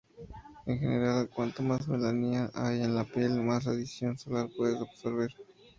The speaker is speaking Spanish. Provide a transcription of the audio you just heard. En general, cuanto más melanina hay en la piel, más radiación solar puede absorber.